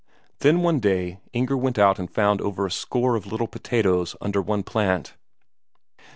Then one day Inger went out and found over a score of little potatoes under one plant.